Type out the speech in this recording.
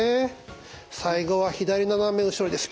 最後は左斜め後ろです。